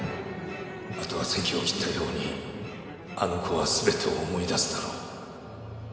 あとはせきを切ったようにあの子はすべてを思い出すだろう